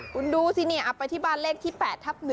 คุณดูสิเนี่ยเอาไปที่บ้านเลขที่๘ทับ๑